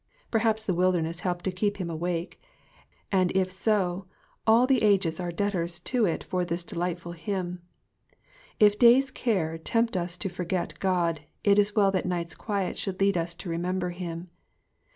Perhaps the wilderness helped to keep him awake , and if so, all the ages are debtors to it for this delightful hymn. If day's cares tempt us to forget God, it is well that night's (|uiet should lead us to remember him.